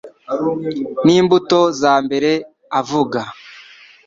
N'imbuto za mbere avuga